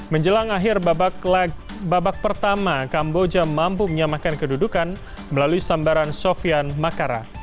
menjelang akhir babak pertama kamboja mampu menyamakan kedudukan melalui sambaran sofian makara